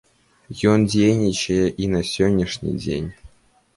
Ён дзейнічае і на сённяшні дзень.